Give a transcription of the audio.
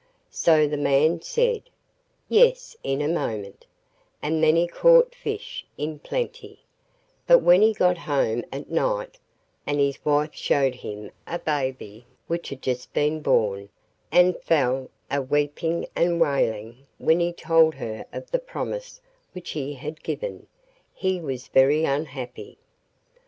So the man said 'Yes' in a moment, and then he caught fish in plenty; but when he got home at night, and his wife showed him a baby which had just been born, and fell a weeping and wailing when he told her of the promise which he had given, he was very unhappy.